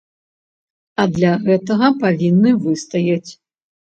А для гэтага павінны выстаяць.